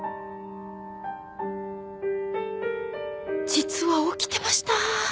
実は起きてました